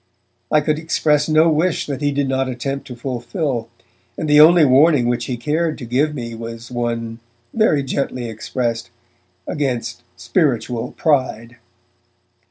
I could express no wish that he did not attempt to fulfill, and the only warning which he cared to give me was one, very gently expressed, against spiritual pride.